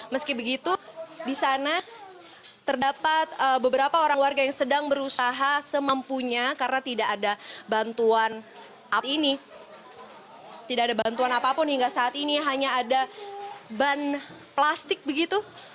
meski begitu di sana terdapat beberapa orang warga yang sedang berusaha semempunya karena tidak ada bantuan ini tidak ada bantuan apapun hingga saat ini hanya ada ban plastik begitu